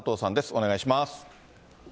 お願いします。